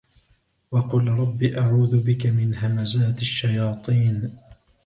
وقل رب أعوذ بك من همزات الشياطين